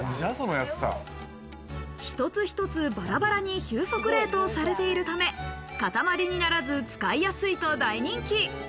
一つ一つバラバラに急速冷凍されているため、塊にならず使いやすいと大人気。